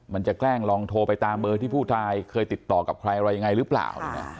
แกล้งลองโทรไปตามเบอร์ที่ผู้ตายเคยติดต่อกับใครอะไรยังไงหรือเปล่า